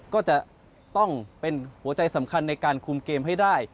ก็จะต้องเป็นหัวใจสำคัญในการคุมเกมให้ได้